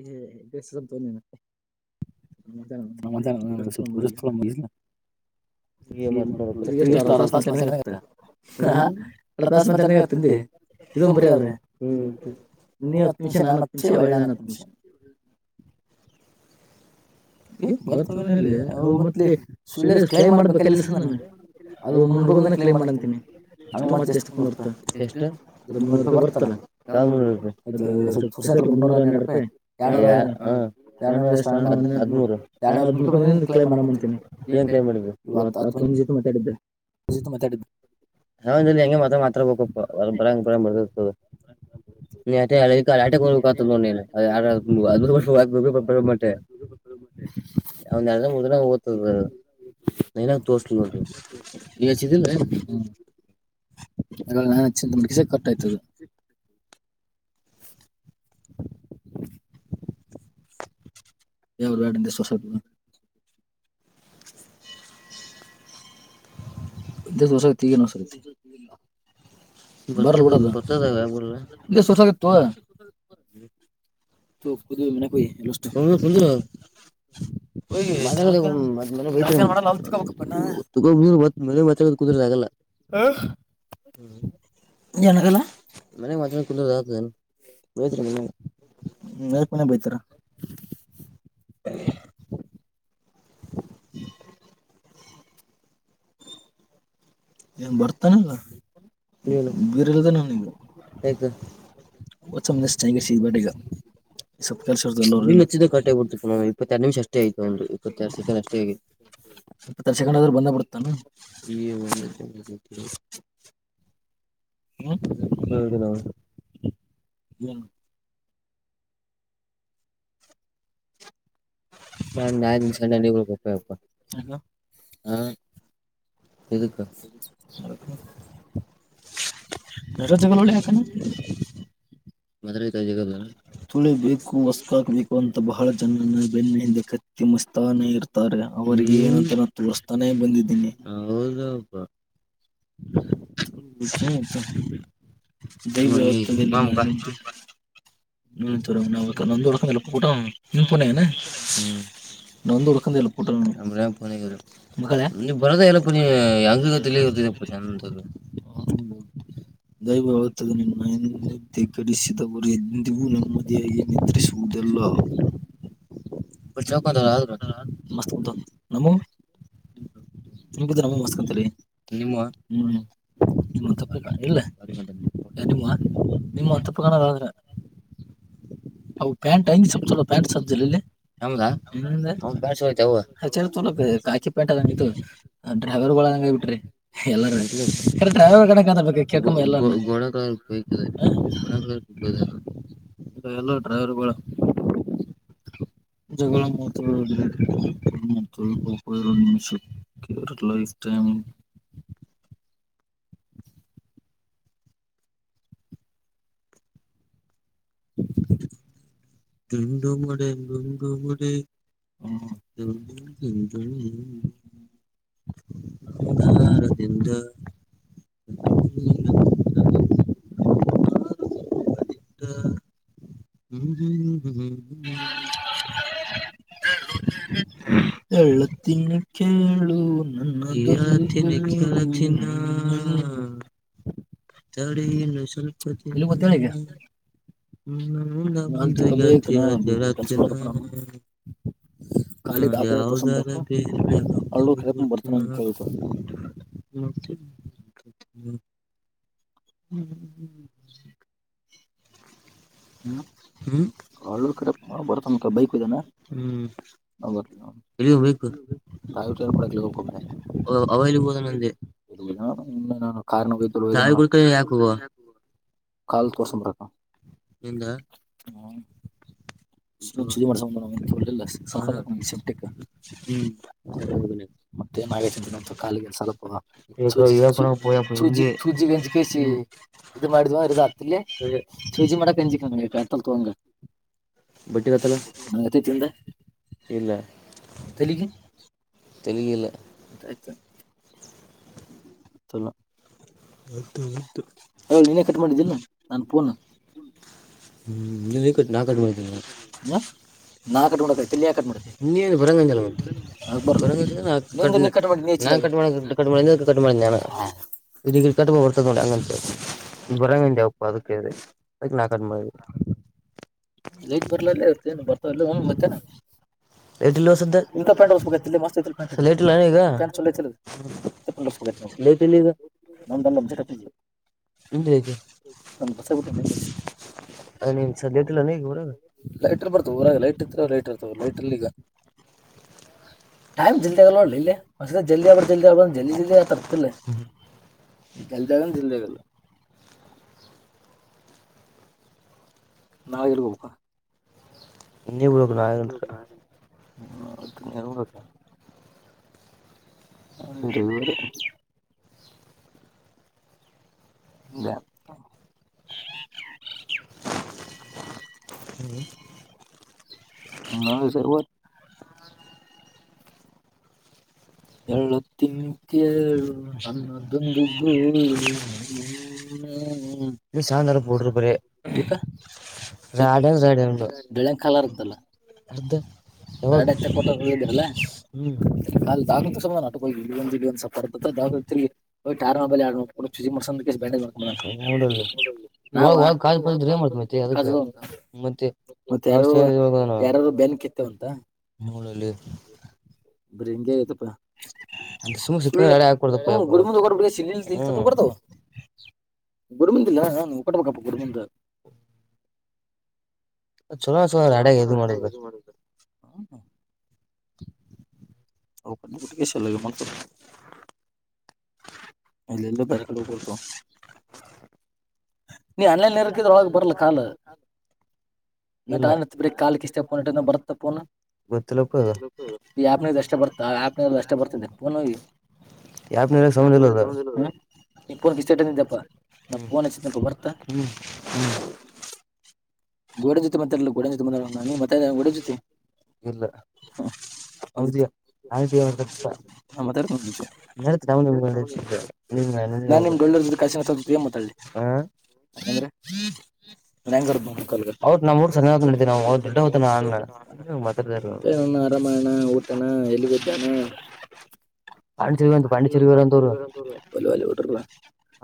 E ಬಸ ತೋನ್ನನತ್ತ ರಸ್ತ ತಸ್ ಮತ್ತ ತಸ್ ಮತ್ತಿ ಇ ಬರಿದ್ರೆ ಹ್ಮ ಇ ಹತ್ತು ನಿಮಿಷ ನಾನ್ ಹತ್ ವಳ್ಳಲಾನ ತುಮಷ [unintelligible] ಬರ್ತವನಲ್ಲ ಅವ್ರು ಮತ್ ಸುಳ್ಳ ಕಾಯಿ ಮಾಡಬೇಕ ಎಲ್ಲಸದ ನಾನ ಅದು ಮು ಮೂರು ರೂಪಾಯಿ ಬಂದ ಕ್ಲೇಮ್ ಮಾಡ ಅಂತೀನಿ ಹಂಗ ಮಜ ಎಷ್ಟೊಂಡರ್ತ ಮು ರಪಿ ಬರ್ತಲ್ಲ ಹೊಸ ಮುನ್ನೂರ ಹನ್ನೆರಡು ರೂಪಾಯಿನೂೂ ನಕ ಕ್ಲೈ ಮಾಡಂತೀನಿ ಏನ್ ಕ್ಲೈ ಮಾಡ ಇವ ಮಾತಾಡಿದ್ದು ನಾಗೆ ಮೊತ ಮಾತ್ರ ಕೊಬೇಕತ ಅದಷ [unintelligible] ನರೋ ನೀವು ಹಚ್ಚಿದ್ದೀ ಹ್ಮ ಅ ನಾನ್ಚ್ಚ ಮುಸ ಕಟ್ಟ ಆಯ್ತದೆ [unintelligible] ಯವು ಮಾಡಡ ದ ಸ ಹೊಸ [inaudible] ಇದ ಹೊಸತಿ ಈಗಏನ್ ಹೊಸತಿ [unintelligible] [inaudible] [inaudible] ಕುುದುರದಾಗಲ್ಲ ಹ ಜಾಗಲ್ಲ ಮ ಮ ಬೋಜರ ಮ ಹ್ಮ್ ಪ ಬೈತಾರ [unintelligible] ನ್ ಬರ್ತಾನಲ್ಲ ಬೇರೆಲ್ಲದ ನನಗ ಹತ್ತ ನಿಗೆ ಸಿ ಬಗ ಸವ ಕೆಲಸ ನಿಮ ಅಷ್ಟೇ ಆ ರ್ಸಕೊಂಡ ಆದ್ರರು ಬಂದ ಬಿಡತಾನ ಈ ಒ ಹ ಹ್ಮದ ಹ್ಮ [unintelligible] ಎ [unintelligible] ರೊಜಗಲಳೆಯಕ ತುಳಿಬೇಕು ಹೊಸ್ಕಾಕ್ಬೇಕು ಅಂತ ಬಹಳ ಜನ ಬೆನ್ನಿಂದ ಉತ್ತಮಸ್್ತಾನೆ ಇರ್ತಾರೆ ಅವ್ರಿಗೆ ಏನಂತ ನಾ ತೋಸ್ತಾನೆ ಬಂದಿದ್ದೀನಿ. [unintelligible] ಹ್ಮ್ ಬಾಬಾ ಹ ನ ಅಂದಳಕ ಎಳಪಟ್ಟ ನಿಣೆ್ಮ ನಾಂದು ಉಡಕ್ಕಂತ ಎಲ್ಲಟ್ಟ ಮ ನೀರಿ ಯಳ ದೈವ ಹೋಗ್ತದೆ ನಿ ಗಳಿಸಿದವರು ಎಂದಿಗೂ ನೆಮ್ಮದಿಯಾಗಿ ನಿದ್ರಿಸುವುದಲ್ಲ ಮ ಹ ನಮ್ಮ ನಿಮ್ಮಸ್ಕತ ನಿಮ್ಮ ಹ್ಮ್ ನಿ ತಪ್ಪ ಇಲ್ಲ ನಿಮ್ಮ ತಪ್ಪ ಕಣಾದ್ರೆ ಪ್ಯಾಂಟ್ ಹಂಗ್ ಸತಲ್ಲ ಪ್ಯಾಂಟ್ ಸ ಕಾಕಿ ಪ್ಯಾಂಟ್ ಅದಂಗತ್ತು ಡ್ರೈವರ್ ಗಳು ಅದಂಗ ಬಿಟ್ರಿ ಎಲ್ಲಾರ ಡ್ರೈವರ್ ಕಣಕ್ಬೇಕ ಕಳ್ಕ ಎಲ್ಲಾರ ಎಲ್ಲ ಡ್ರೈವರ್ಗಳು ಜಗಗಳ ಮ ಮ ಗಪ ಮನುಷ್ಯ ಕ್ಯೂ ಲಫ ಟೈಮ ತಿಂದುು ಮುಡಿ ನಿಂದುು ಮುಡಿ ಹ್ಮ ಲಾರ ತಿದ ಹ್ಮ ಹ್ಮ ಹ್ಮ್ಮ ಹ್ಮ ಹ್ಮ ಹ್ಮ ಹ್ಮ ಹ್ಮ್ಮ ಹ್ಮ ಹ್ಮ ಎಳತ್ತಿ ಹೇಳತೀನಿ ಕೇಳ ಹ್ಮ ಚಿನ್ನ ತಡಿ ಇನ್ನ ಸ್ವಲ್ಪ ದಿನ ಹ್ಮ್ ಹ್ಮ ಅಂತ ಖಾಲಿ ಕಾಕ ತೋಸ ಬರಕು ಹಳ್ಳರು ಕೆಪ್ ಬರ್ತನ ಕೇಳ್ತ ಹ್ಮ್ ಹ್ಮ ಹ್ಮ ಹ್ಮ ಹ್ಮ್ ಹ್ಮ್ ಕ ಬರ್ತ ಬೈಕ್ನ ಹ್ಮ್ ಎ ಬು ಅವಬದಂದೆ ಇನ್ನು ನಾನು ಕಾರ್ನೋಗಯ್ತ ಕಾಲ್ ತೋರ್ಸ ಬರತ ನಿಂದ ಹ್ಮ್. [unintelligible] ಯಪನಯಂದ ಮ ಚೇಚಿ ಮ ಕೆ ತ ಬಟ್ಟ ಮಾತಲ್ಲತ ಚಂತ ತಲ್ಲಿಿಗೆ ಆಯ್ತು ತಲ ಹ ಹ ನೀನ ಕಟ್ ಮಾಡಿದ್ದಿಲ್ಲ ನಾನ ಪೋನ್ ಹ್ಮ್ ನೀ ನಾ ಕಟ್ಟ ಮಾಡತೀನಿ [unintelligible] ನಾ ಕಟ್ ಮಾಡ ಕಟ್ ಮಾಡ ಕ ಮಾಡ. [unintelligible] ಲೈಟ್ ಬರ್ಲಲ್ಲ ಇರ್ತ ಬರ್ತಲ್ಲ ಒ ಮತ್ತೇನಾ. ಇ ಪ್ಯಾಂಟ್ಬೇಕ ಮಸ್ತ್ ಐಂ್ಯಾಂಟ್. ಲಿ. [unintelligible] ತಿಳದ. ನಂದಲ್ಲಮ್ ಜಟ ಮುೇ ನ ಬಸ ಬಿಟ್ಟ ನಿಲ್ಸಿದ್ದೆ. ಲೈಟ್ರರ್ ಬರ್ತಾವ ಹೊರಾಗ ಲೈಟ್ ಇರ್ತವ ಲೈಟ್ರ್ ಇರ್ತವ ಲೈಟ್ರಲ್ಲಿ ಈಗ. ಟೈಮ್ ಜಲ್ದಿ ಆಗಲ್ಲ ಒಳ್ಳ ಇಲ್ಲಿ ಜಲ್ದಿ ಆಬು ಜಲ್ದಿ ಆಬ ಜಲ್ದಿ ಜಲ್ದಿ ಆತರ್. ಇಲ್ಲ. ಜಲ್ದಿ ಆಗಲ್ಲ ಜಲ್ದಾಗಲ್ಲ. ನಾಗಿಡುಗಪ್ಪ. [unintelligible] [unintelligible] [unintelligible] ಹ್ಮ. [unintelligible] [unintelligible] ಹೇಳುತ್ತೀನಿ ಕೇಳು ನನ್ನದೊಂದು ಗೋಳು. [unintelligible] ಬೆಳೆಂಗೆ ಖಾಲ ಇತ್ತಲ್ಲ. ಡ ತರ್ಕೊತ ಹೋಗಿದ್ರಲ್ಲ ಹ್ಮ. [unintelligible] [unintelligible] ನೋಡಾಗ ಕ ಪಿದ ಮಾಡ್ತ ಮ ಮತ್ತೆ. ಯಾರಾರ ಬೆನಕಿತ್ತು ಅಂತ ನೋಡಲ್ಲಿ. ಬ್ರ ಹೆಂಗೆ ಐತಪ್ಪಾ. [unintelligible] ಕೊಡಂಬದಲ್ಲ ಊಕಟ ಪಕ್ಕಪ್ಪ ಕುಡಂಬಂದ. [unintelligible] ಹ. [unintelligible] ಹಕಟ ಸಲ್ಲ ಮ. [inaudible] ಇಲೀಲ್ಲ ಬೇರೆ ಕಡೆ ಹೋಗಲು ತಗೋ. ನೀ ಆನ್ಲೈನ್ ಇರಕಿದ್ರ ಅವಾಗ ಬರ್ಲ ಕಾಲು. ನ ಬ್ರೀ ಕಾಲ್ಕ್ ಇಷ್ಟೇಫೋನ್ಟ ಬರುತ್ತ ಪಫೋನ್. ಅಪ್ನ ಅಷ್ಟ ಬರ್ತ ಆನ ಅಷ್ಟೇ ಬರ್ತದೆ ಫೋನ್ ಹೋಗಿ. ಯಾಪ್ ಸಮಂಧ ಇಲ್ಲದ. ಹ್ಮ್ ಹ್ಮ್. ಗೋಡೆ ಜೊತೆ ಮತ್ತೆ ಇಲ್ಲ ಗೋಡೆ ಜೊತೆ ಮಣ ನ ಮತ್ತೆ ಗೋಡೆ ಜೊತೆ. ಇಲ್ಲ. ಹ ನ ನಡತ ನ ನಿಮ ನಡ. [unintelligible] ಯಾಂಗಂದ್ರೆ [unintelligible] ಆರಾಮಾಯಣ ಊಟಣ ಎಳಿವ್ದಾನ. [unintelligible] ಒಲೆ ಒಲೆ ಬಿಟ್ರಲ್ಲ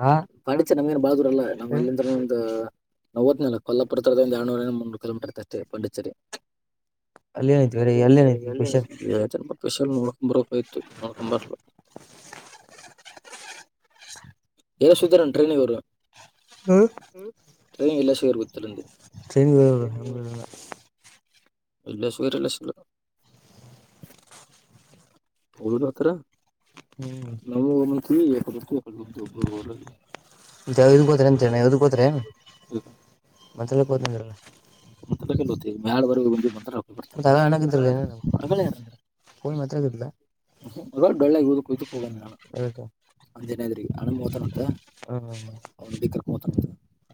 ಹ್ಮ್ ಪಾಂಡಿತ್ಯ್ಯ ನಮ್ಗೆೇನ್ ಬಾ್ದ್ರಲ್ಲಾ ನಾವ್ ಅಲ್ಲಿಂದ ಒಂದ. ಕೊಲ್ಲಾಪುರ ಒ ಎಡ್ನೂರಂದ ಮುನ್ನೂರು ಕಿಲೋಮೀಟರ್ ಅಷ್ಟೆ ಪಂಡಿಚೇರಿ. ಅಲ್ಲೆಷಲ್ ನೋಡ್ಕೊಂಡ್ ಬರಕ್ ಆಯ್ತು ನೋಡ್ಕೊ್ ಬರ್ಲ್ಲ. [inaudible] ಏರೋ ಸುಧರನ್ ಟ್ರೈನಿಗರು ಹ್ಮ ಟ್ರೈನ್ ಇಲ್ಲ ಸರ್ ಕುತ್ತರುಂದ ಇಲ್ಲ ಸುರಲ್ಲ ಹಸರ ಜಾವದು ಸರಿ ಅಂತಣ ಯಾವ್ದು ಕೋತ ಮತ್ತಲ್ಲ ಕೋತನಲ್ಲ ಗ ಹಣಗಿದ್ರಲ ಏನ ಏನ್ ನಡಿಲ್ಲ ಅ ಮೋಸ ಉಂತ ಹ್ಮ [inaudible]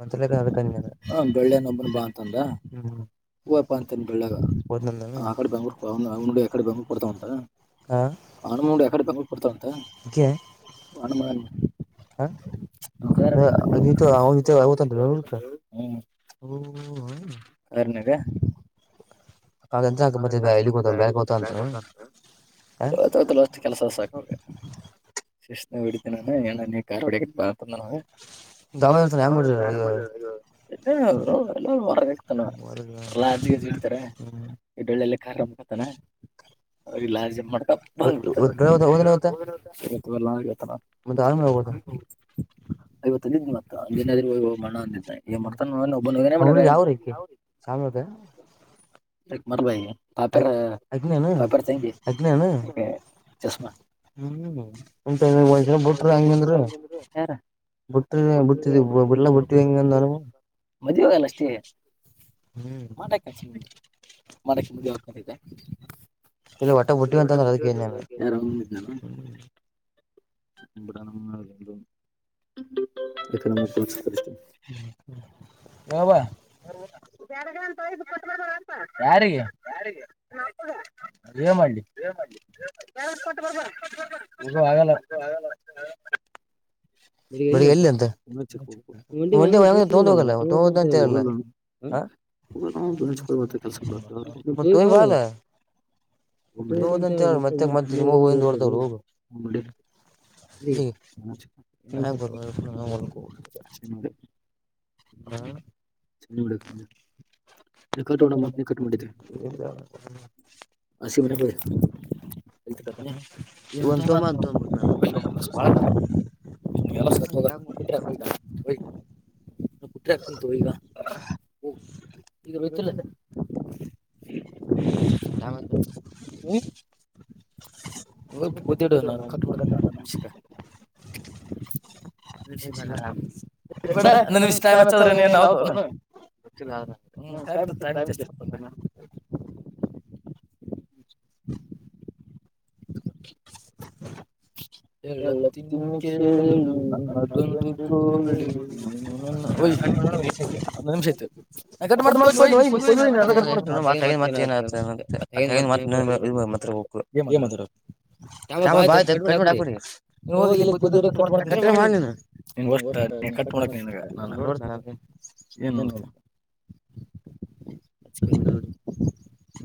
ಅಂತ ಆಡೆ ಗಡೆ ಗಮ ಕೊಡ್ತ ಅಂತ ಹಡೆತ ಅಂತ ಹ ಈ ಹ್ಮ ಎರನಗೆ ಹಾಗ ಎವಷ್ಟು ಕೆಲಸ ಸಾಕ ಶಷನ ಬಿಡ್ತ ನ ಏನ ಕಾರ್ಡ ಮಾತ ಎ ಹೊರಗ ಆಗ್ತಾನ ತ ಈಡಳ್ಳೆಲ್ಲ ಖಾರ್ಕತಾನ ಅವ್ರ ಇಲ್ಲ ಜಂಪ್ ಮಾಡ್ತ [inaudible] ಇವತ್ತುದ್ ಮತ್ತ ಮಣ ಅಂದಿದ್ ಈಗ ಮಾಡ್ತಾನ ಒಬ ಮಾಪ ಪಾಪ ತಗೆ [inaudible] ಎನಣ ಚಷ್ಮಾ ಯಾರ ಟ್ಟ ಬಿಟ್ಟ ಬಿ ಮದ್ಗಲ್ಲ ಅಷ್ಟೇ ಹ್ಮ ಮಾಡಾಕಂತ ಮಾಡಕ್ಕೆ ಮುದೆ ಹಾಕಂತಿದ್ದೆ ಆರಾಮ್ಂದಿದ್ದ ಎನಂದ ಬಬ ಯಾರಿಗೆ ಅ ಮಾಡ್ಲಿ ಮಾಡ್ ಆಲ್ಲ ಬೆಳಿಗ್ ಎಲ್ಲಿ ಅಂತ ತೋ ಹ ಕ್ಯಸ ಭ [inaudible] ಹೇಳ ಮತ್ತ ಒಂದುಡ್ತ ಚಳಡ ಒ ತಂಬ ಅಂತು ಅಂದಬಿಟ್ಟ ನಾನ ಜ ಮ [inaudible] ಕುಟ್ರೆ ಹಾಕಂತ ಈಗ, ಈಗ ಬಯ್ತಿಲ್ಲೆ. ದಾಮ ಹದಡ ನಾನು ಕಟ್ಡ್ ಅಂದ್ರ ನಿಮ್ ಟೈಮ್ ಹಚ್ಚದ್ರ ನೀ ಏನ್ ಆವತಾವಣ ಹ ಹ್ಮ್ ಜಾಸ್ತಿರ್ತೆ ಎಳತ್ತು ತಿನ್ನಕ್ಕೆಳಿ ಅನ್ನದೊಂದಕ್ಕೆಳಿ [inaudible] ಮತ್ತ ಏನತ. [unintelligible] ತ್ರ ಹೋಗಾಮತ್ [unintelligible] ಬಾ ಕಡಿಮಿ ಹಾಕ್ಬಿಡ್ರಿ. [unintelligible] ಗ ಇಲ್ಲಿ ಪುದಿನ ಕಟ್ ಮಾಡ್ತಿನಿ. [inaudible] ಅ [inaudible]